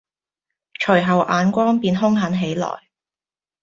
隨後眼光便凶狠起來，